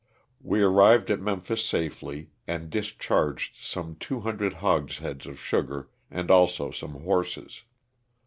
We arrived at Memphis safely and discharged some two hundred hogsheads of sugar and also some horses.